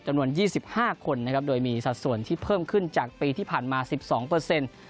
จำนวน๒๕คนนะครับโดยมีสัดส่วนที่เพิ่มขึ้นจากปีที่ผ่านมา๑๒เปอร์เซ็นต์